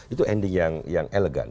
itu ending yang elegan